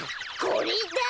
これだ。